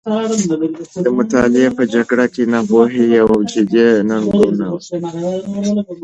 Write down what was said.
د مطالعې په جګړه کې، ناپوهي یوه جدي ننګونه ده.